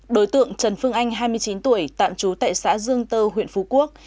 đối tượng trần phương anh hai mươi chín tuổi tạm trú tại xã dương tơ huyện phú quốc